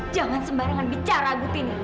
jangan sembarangan bicara gut ini